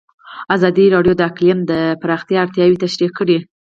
ازادي راډیو د اقلیم د پراختیا اړتیاوې تشریح کړي.